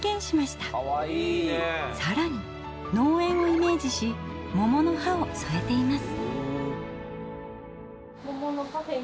さらに農園をイメージし桃の葉をそえています。